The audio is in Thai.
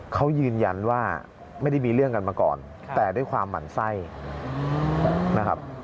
เขายืนยันว่าไม่ได้มีเรื่องกันมาก่อนแต่ด้วยความหมั่นไส้นะครับ